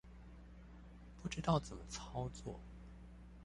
不知道怎麼操作